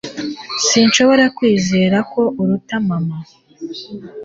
sinshobora kwizera ko aruta mama